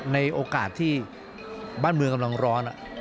ในโอกาสที่บ้านเมืองกำลังร้อน